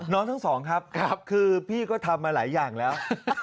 ทั้งสองครับคือพี่ก็ทำมาหลายอย่างแล้ว